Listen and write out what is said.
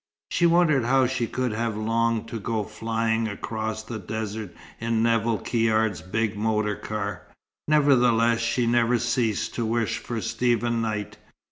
She wondered how she could have longed to go flying across the desert in Nevill Caird's big motor car; nevertheless, she never ceased to wish for Stephen Knight.